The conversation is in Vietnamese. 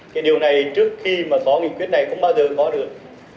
cái điều này trước khi mà có nghị quyết này cũng bao giờ có được